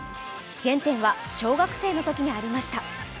原点は小学生のときにありました。